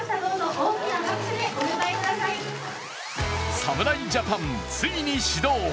侍ジャパン、ついに始動。